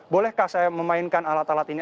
bolehkah saya memainkan alat alat ini